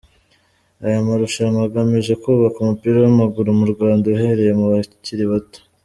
Aya marushanwa agamije kubaka umupira w'amaguru mu Rwanda uhereye mu bakiri bato.